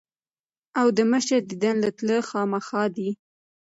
او د مشر ديدن له تلۀ خامخه دي ـ